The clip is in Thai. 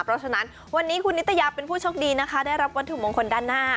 เพราะฉะนั้นวันนี้คุณนิตยาเป็นผู้โชคดีนะคะได้รับวัตถุมงคลด้านหน้า